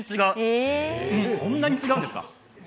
え、こんなに違うんですか？